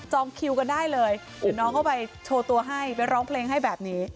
คิวกันได้เลยเดี๋ยวน้องเข้าไปโชว์ตัวให้ไปร้องเพลงให้แบบนี้